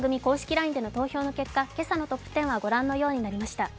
ＬＩＮＥでの投票の結果、今朝のトップ１０はご覧のようになりまた。